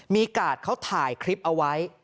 มีกาดเขาถ่ายคลิปเอาไว้